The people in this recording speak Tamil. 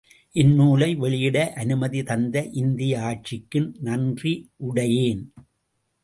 இந்நூலை வெளியிட அனுமதி தந்த இந்திய ஆட்சிக்கும் நன்றியுடையேன்.